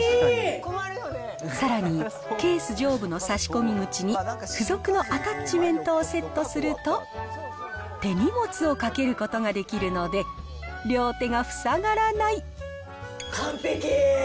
さらにケース上部の差し込み口に、付属のアタッチメントをセットすると、手荷物を掛けることができるので、両手が塞がらない。